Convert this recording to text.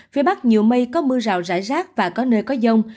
phía bắc nhiều mây có mưa rào rải rác và có nơi có dông